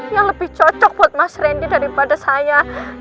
yang lebih cocok buat mas randy daripada saya